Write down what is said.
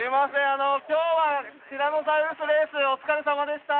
あの今日はティラノサウルスレースお疲れさまでした。